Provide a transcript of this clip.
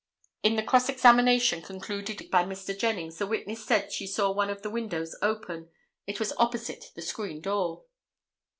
In the cross examination concluded by Mr. Jennings the witness said that she saw one of the windows open. It was opposite the screen door.